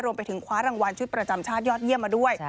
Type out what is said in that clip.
คว้ารางวัลชุดประจำชาติยอดเยี่ยมมาด้วย